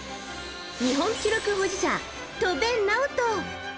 日本記録保持者、戸邉直人。